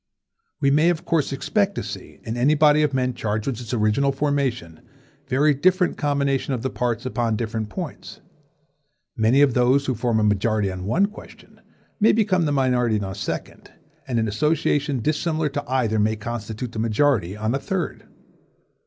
We may of course expect to see, in any body of men charged with its original formation, very different combinations of the parts upon different points. Many of those who form a majority on one question, may become the minority on a second, and an association dissimilar to either may constitute the majority on a third.